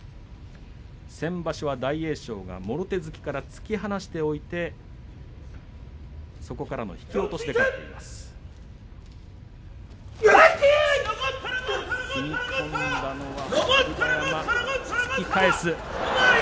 先場所は大栄翔がもろ手突きから突き放しておいてそこからの引き落としで勝っています。